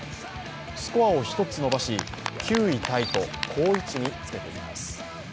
スコアを１つ伸ばし、９位タイと好位置につけています。